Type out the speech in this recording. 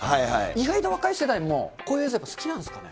意外と若い世代もこういうやつ、好きなんですかね。